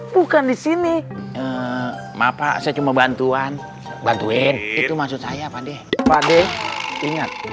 bukan disini mapa saya cuma bantuan bantuin itu masya usahaya pande pakai